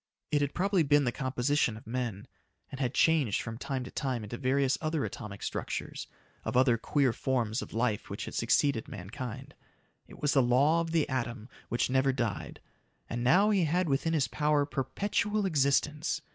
It had probably been the composition of men, and had changed from time to time into various other atomic structures of other queer forms of life which had succeeded mankind. It was the law of the atom which never died. And now he had within his power perpetual existence.